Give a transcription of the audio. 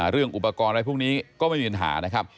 เรื่องอุปกรณ์อะไรพวกนี้ก็ไม่มีปัญหานะครับ